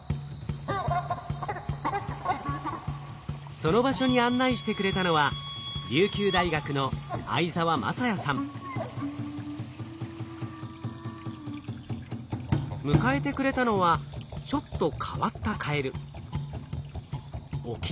その場所に案内してくれたのは迎えてくれたのはちょっと変わったカエル。